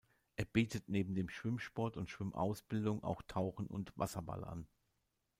Er bietet neben dem Schwimmsport und Schwimmausbildung auch Tauchen und Wasserball an.